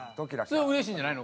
それはうれしいんじゃないの？